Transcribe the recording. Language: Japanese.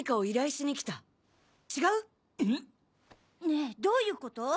ねぇどういうこと？